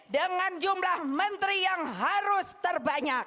dengan jumlah menteri yang harus terbanyak